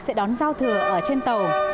sẽ đón giao thừa ở trên tàu